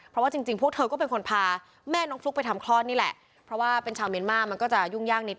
เราบอกเอาไปแล้วจะทำงานอย่างไร